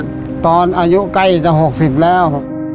ชีวิตของลงเนี่ยคุณสมภาษณ์ตอนอายุใกล้จะ๖๐แล้ว